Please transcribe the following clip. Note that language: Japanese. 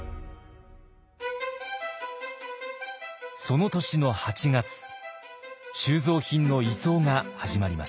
その年の８月収蔵品の移送が始まりました。